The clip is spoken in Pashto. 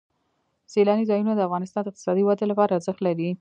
سیلانی ځایونه د افغانستان د اقتصادي ودې لپاره ارزښت لري.